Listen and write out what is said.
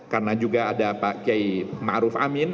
karena juga ada pak kiai ma'ruf amin